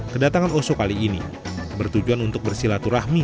kedatangan oso kali ini bertujuan untuk bersilaturahmi